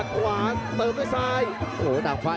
โหโหโหโหโหโหโหโหโหโหโหโหโหโห